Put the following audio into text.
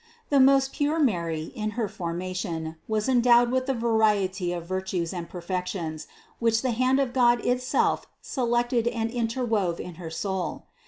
The most pure Mary, in her formation, was endowed with the variety of virtues and perfections, which the hand of God itself selected and interwove in her soul.